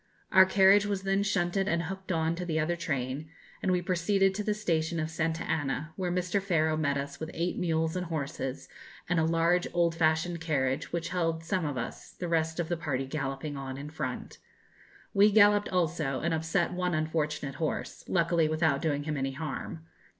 Our carriage was then shunted and hooked on to the other train, and we proceeded to the station of Santa Anna, where Mr. Faro met us with eight mules and horses, and a large old fashioned carriage, which held some of us, the rest of the party galloping on in front. We galloped also, and upset one unfortunate horse, luckily without doing him any harm.